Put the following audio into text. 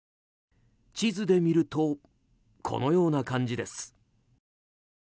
地図で見るとこのような感じです。